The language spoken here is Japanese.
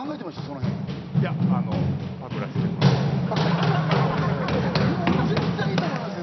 その辺いやあのパクらせてもらおうかな俺絶対いいと思いますよ